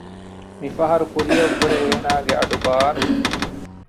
މި ފަހަރު ކުރިއަށްވުރެ އޭނާގެ އަޑު ބާރު